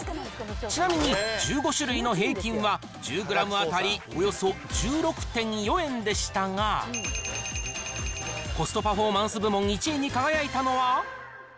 ちなみに１５種類の平均は、１０グラム当たりおよそ１６．４円でしたが、コストパフォーマンス部門１位に輝いたのは。